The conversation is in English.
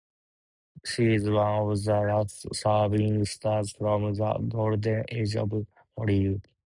She is one of the last surviving stars from the Golden Age of Hollywood.